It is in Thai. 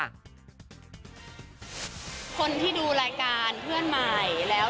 คนที่ดูรายการเพื่อนใหม่แล้ว